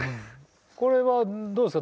これはどうですか？